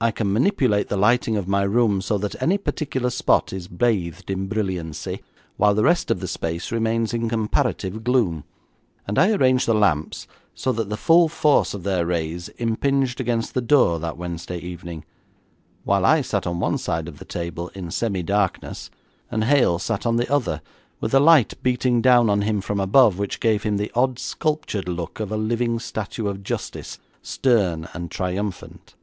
I can manipulate the lighting of my room so that any particular spot is bathed in brilliancy, while the rest of the space remains in comparative gloom, and I arranged the lamps so that the full force of their rays impinged against the door that Wednesday evening, while I sat on one side of the table in semi darkness and Hale sat on the other, with a light beating down on him from above which gave him the odd, sculptured look of a living statue of Justice, stern and triumphant.